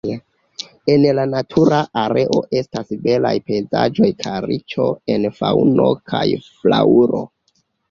En la natura areo estas belaj pejzaĝoj kaj riĉo en faŭno kaj flaŭro.